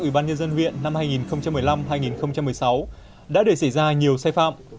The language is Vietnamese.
ủy ban nhân dân huyện năm hai nghìn một mươi năm hai nghìn một mươi sáu đã để xảy ra nhiều sai phạm